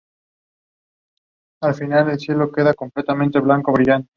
El servicio se proporciona completamente gratis.